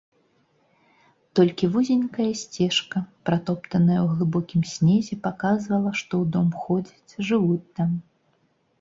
Толькі вузенькая сцежка, пратоптаная ў глыбокім снезе, паказвала, што ў дом ходзяць, жывуць там.